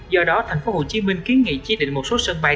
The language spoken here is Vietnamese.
do đó thành phố hồ chí minh kiến nghị chi định một số sân bay